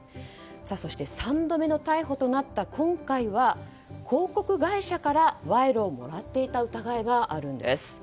そして３度目の逮捕となった今回は広告会社から賄賂をもらっていた疑いがあるんです。